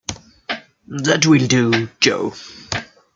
That will do, Jo.